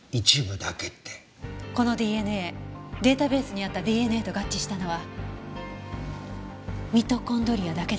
このＤＮＡデータベースにあったＤＮＡと合致したのはミトコンドリアだけだったんです。